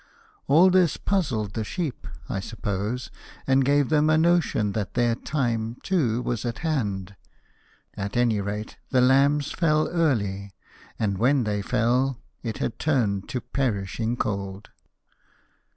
All this puzzled the sheep, I suppose, and gave them a notion that their time, too, was at hand. At any rate the lambs fell early; and when they fell, it had turned to perishing cold.